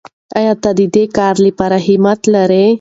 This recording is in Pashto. آیا ته د دې کار لپاره همت لرې؟